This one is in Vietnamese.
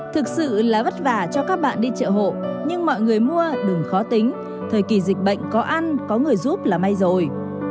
thực sự là vất vả cho các bạn đi chợ hộ nhưng mọi người mua đừng khó tính thời kỳ dịch bệnh có ăn có người giúp là may rồi